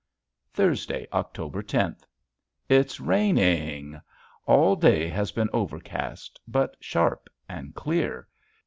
Thursday, October tenth. It's raining! All day has been overcast, but sharp and clear.